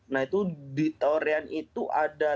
nah itu di torian itu ada